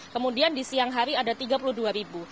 kemudian di siang hari ada tiga puluh dua ribu